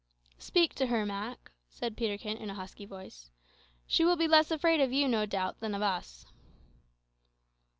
"Speak to her, Mak," said Peterkin, in a husky voice; "she will be less afraid of you, no doubt, than of us."